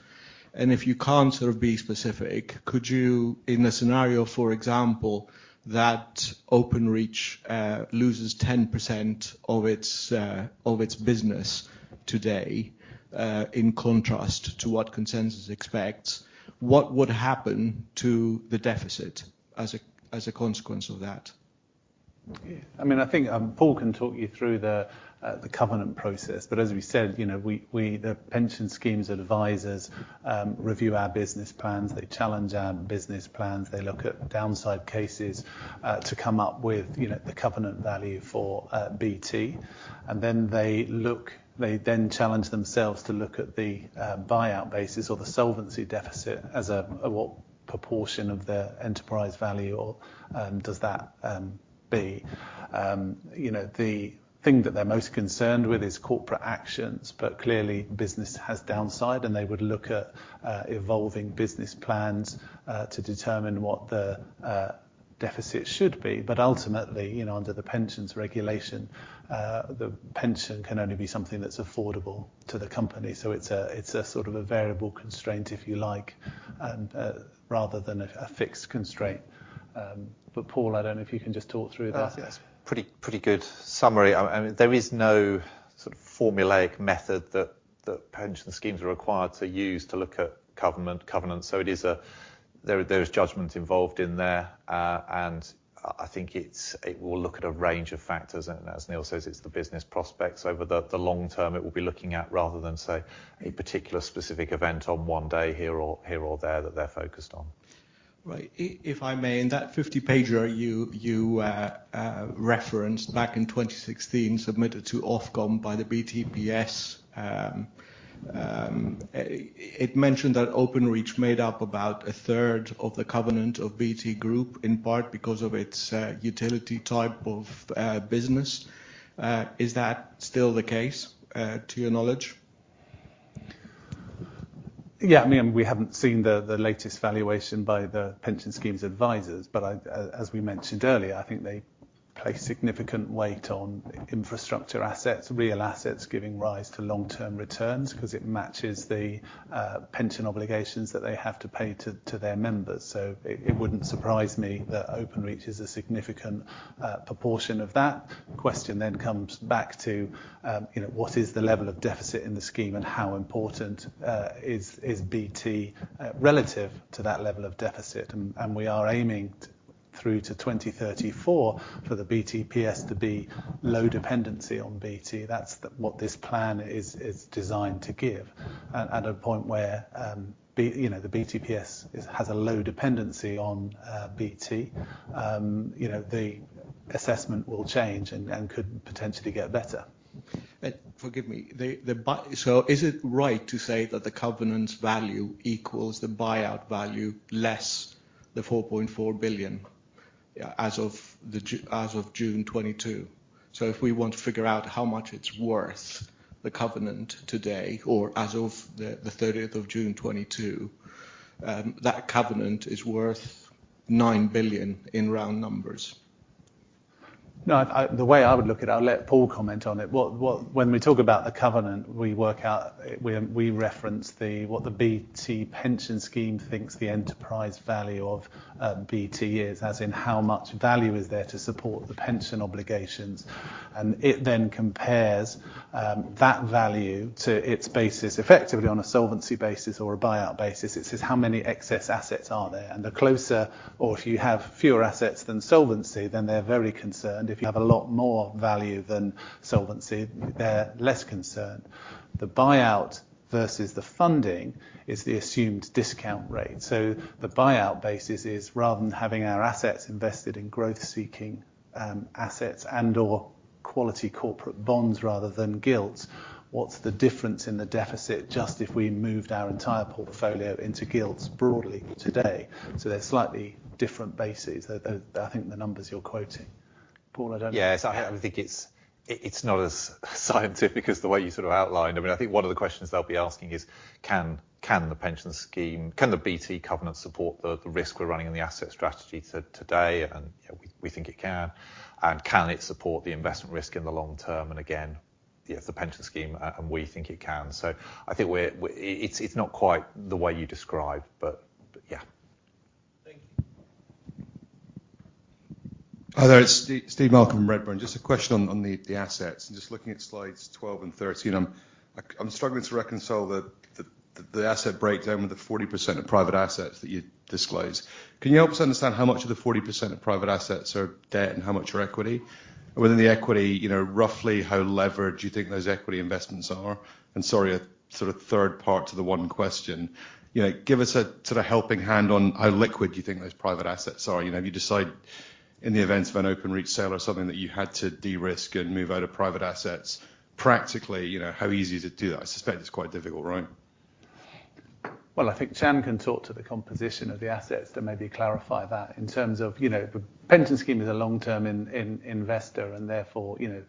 If you can't sort of be specific, could you, in a scenario, for example, that Openreach loses 10% of its business today, in contrast to what consensus expects, what would happen to the deficit as a consequence of that? I mean, I think Paul can talk you through the covenant process, as we said, you know, we, the pension scheme's advisors, review our business plans, they challenge our business plans, they look at downside cases to come up with, you know, the covenant value for BT. They then challenge themselves to look at the buyout basis or the solvency deficit as what proportion of their enterprise value or does that be? You know, the thing that they're most concerned with is corporate actions, but clearly, business has downside, and they would look at evolving business plans to determine what the deficit should be. Ultimately, you know, under the pensions regulation, the pension can only be something that's affordable to the company. It's a sort of a variable constraint, if you like, and rather than a fixed constraint. Paul, I don't know if you can just talk through that. Yes, pretty good summary. I mean, there is no sort of formulaic method that the pension schemes are required to use to look at covenant. There is judgment involved in there, and I think it will look at a range of factors, and as Neil says, it's the business prospects over the long term it will be looking at, rather than, say, a particular specific event on one day here or there, that they're focused on. Right. If I may, in that 50-pager you referenced back in 2016, submitted to Ofcom by the BTPS, it mentioned that Openreach made up about a third of the covenant of BT Group, in part because of its utility type of business. Is that still the case to your knowledge? I mean, we haven't seen the latest valuation by the pension scheme's advisors. I, as we mentioned earlier, I think they place significant weight on infrastructure assets, real assets, giving rise to long-term returns because it matches the pension obligations that they have to pay to their members. It wouldn't surprise me that Openreach is a significant proportion of that. Question comes back to, you know, what is the level of deficit in the scheme, and how important is BT relative to that level of deficit? We are aiming through to 2034 for the BTPS to be low dependency on BT. That's what this plan is designed to give. At a point where BT, you know, the BTPS has a low dependency on BT, you know, the assessment will change and could potentially get better. Forgive me, is it right to say that the covenant's value equals the buyout value, less 4.4 billion, as of June 2022? If we want to figure out how much it's worth, the covenant today, or as of the 30th of June 2022, that covenant is worth 9 billion in round numbers? No, the way I would look at it, I'll let Paul comment on it. When we talk about the covenant, we work out, we reference what the BT Pension Scheme thinks the enterprise value of BT is, as in how much value is there to support the pension obligations. It then compares that value to its basis, effectively on a solvency basis or a buyout basis. It says, how many excess assets are there? The closer, or if you have fewer assets than solvency, then they're very concerned. If you have a lot more value than solvency, they're less concerned. The buyout versus the funding is the assumed discount rate. The buyout basis is rather than having our assets invested in growth-seeking assets and/or quality corporate bonds rather than gilts, what's the difference in the deficit just if we moved our entire portfolio into gilts broadly today? They're slightly different bases, that, I think the numbers you're quoting, Paul. Yes, I think it's not as scientific as the way you sort of outlined. I mean, I think one of the questions they'll be asking is: can the pension scheme, can the BT covenant support the risk we're running in the asset strategy today? You know, we think it can. Can it support the investment risk in the long term? Again, yes, the pension scheme, and we think it can. I think we're... it's not quite the way you described, but yeah. Thank you. Hi there, it's Steve Malcolm from Redburn. Just a question on the assets. Just looking at slides 12 and 13, I'm struggling to reconcile the asset breakdown with the 40% of private assets that you disclose. Can you help us understand how much of the 40% of private assets are debt and how much are equity? Within the equity, you know, roughly how leveraged you think those equity investments are? Sorry, a sort of third part to the one question. You know, give us a sort of helping hand on how liquid you think those private assets are. You know, if you decide in the event of an Openreach sale or something that you had to de-risk and move out of private assets, practically, you know, how easy is it to do that? I suspect it's quite difficult, right? I think Sam can talk to the composition of the assets to maybe clarify that. In terms of, you know, the pension scheme is a long-term investor, therefore, you know,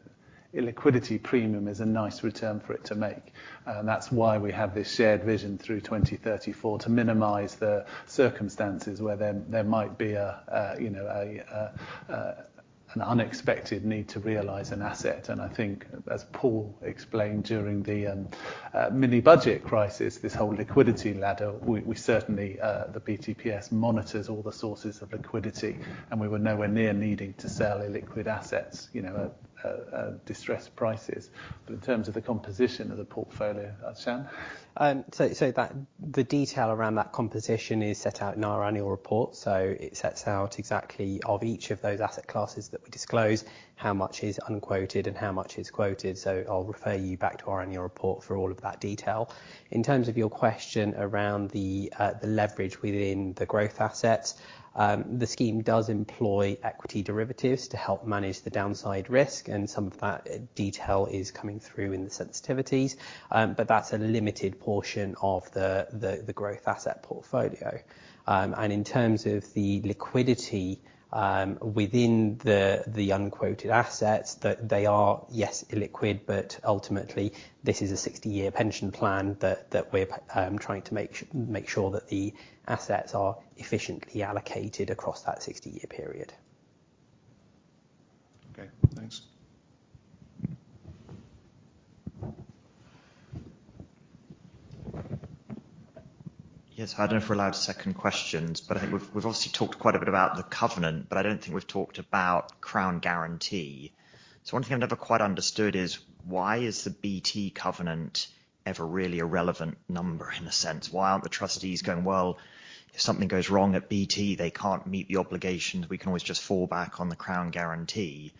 illiquidity premium is a nice return for it to make. That's why we have this shared vision through 2034 to minimize the circumstances where there might be a, you know, an unexpected need to realize an asset. I think, as Paul explained during the mini budget crisis, this whole liquidity ladder, we certainly the BTPS monitors all the sources of liquidity, and we were nowhere near needing to sell illiquid assets, you know, at distressed prices. In terms of the composition of the portfolio, Sam? So that the detail around that composition is set out in our annual report. It sets out exactly of each of those asset classes that we disclose, how much is unquoted and how much is quoted. I'll refer you back to our annual report for all of that detail. In terms of your question around the leverage within the growth assets, the scheme does employ equity derivatives to help manage the downside risk, and some of that detail is coming through in the sensitivities. That's a limited portion of the growth asset portfolio. In terms of the liquidity within the unquoted assets, they are, yes, illiquid, but ultimately, this is a 60-year pension plan that we're trying to make sure that the assets are efficiently allocated across that 60-year period. Okay, thanks. Yes, I don't know if we're allowed second questions, but I think we've obviously talked quite a bit about the covenant, but I don't think we've talked about Crown Guarantee. One thing I've never quite understood is: why is the BT covenant ever really a relevant number in a sense? Why aren't the trustees going, ''Well, if something goes wrong at BT, they can't meet the obligations. We can always just fall back on the Crown Guarantee.''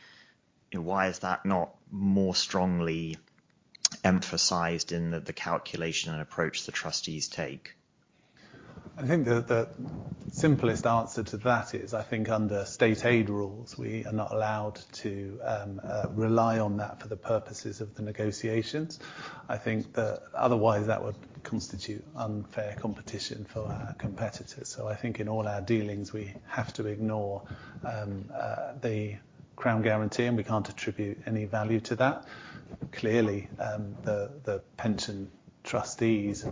Why is that not more strongly emphasized in the calculation and approach the trustees take? I think the simplest answer to that is, I think under state aid rules, we are not allowed to rely on that for the purposes of the negotiations. I think that otherwise, that would constitute unfair competition for our competitors. I think in all our dealings, we have to ignore the Crown Guarantee, and we can't attribute any value to that. Clearly, the pension trustees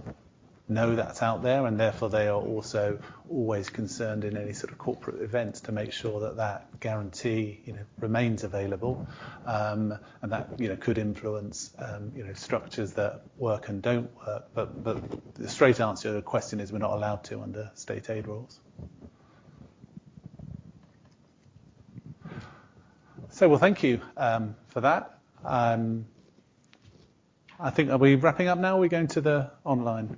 know that's out there, and therefore, they are also always concerned in any sort of corporate events to make sure that that guarantee, you know, remains available. And that, you know, could influence, you know, structures that work and don't work. The straight answer to the question is, we're not allowed to under state aid rules. Well, thank you for that. I think... Are we wrapping up now, or we're going to the online? Wrapping online.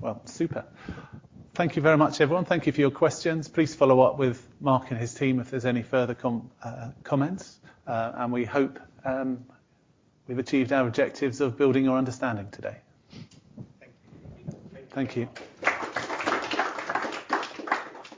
Well, super. Thank you very much, everyone. Thank you for your questions. Please follow up with Mark and his team if there's any further comments. We hope we've achieved our objectives of building your understanding today. Thank you. Thank you.